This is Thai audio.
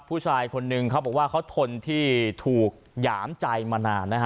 ผู้ชายคนนึงเขาบอกว่าเขาทนที่ถูกหยามใจมานานนะฮะ